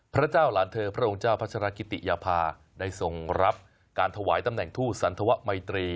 พระเจ้าหลานเธอพระองค์เจ้าพัชรกิติยภาได้ส่งรับการถวายตำแหน่งทูตสันธวะมัยตรี